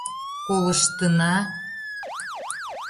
Колыштына...